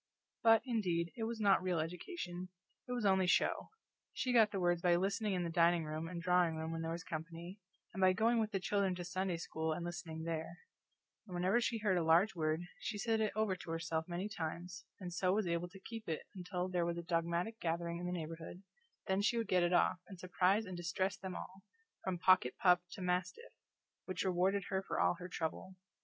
But, indeed, it was not real education; it was only show: she got the words by listening in the dining room and drawing room when there was company, and by going with the children to Sunday school and listening there; and whenever she heard a large word she said it over to herself many times, and so was able to keep it until there was a dogmatic gathering in the neighborhood, then she would get it off, and surprise and distress them all, from pocket pup to mastiff, which rewarded her for all her trouble.